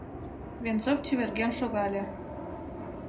— Венцов чеверген шогале.